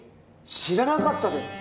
知らなかったです